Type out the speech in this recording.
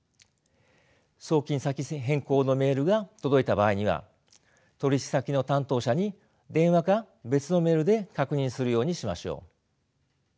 送金先変更のメールが届いた場合には取引先の担当者に電話か別のメールで確認するようにしましょう。